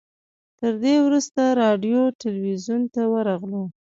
تر دې وروسته راډیو تلویزیون ته ورغلو.